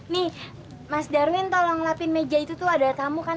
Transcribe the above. nih mas darwin tolong lapin meja itu tuh ada tamu kan